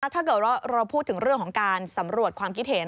ถ้าเกิดว่าเราพูดถึงเรื่องของการสำรวจความคิดเห็น